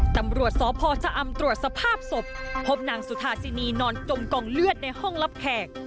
ตำรวจสพชะอำตรวจสภาพศพพบนางสุธาสินีนอนจมกองเลือดในห้องรับแขก